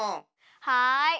はい。